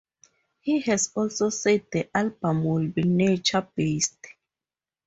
He has also said the album will be "nature-based".